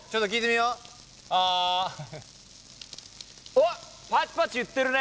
おっパチパチいってるね！